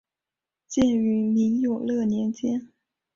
建于明永乐年间。